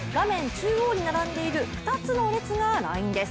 中央に並んでいる２つの列がラインです。